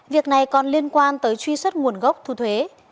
việc này còn liên quan tới truy xuất nguồn gốc thu thuế